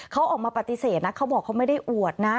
เขาออกมาปฏิเสธนะเขาบอกเขาไม่ได้อวดนะ